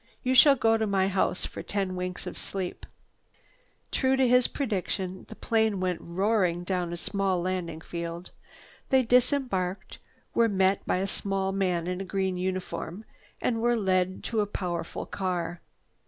You shall go to my house for ten winks of sleep." True to his prediction, the plane went roaring down to a small landing field. They disembarked, were met by a small man in a green uniform and were led to a powerful car.